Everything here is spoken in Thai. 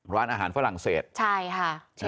ร้านอาหารฝรั่งเศสใช่ค่ะ